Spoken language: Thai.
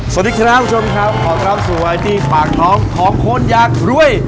สวัสดีครับคุณผู้ชมครับขอต้อนรับสู่ไว้ที่ภาคท้องท้องคนยากรวย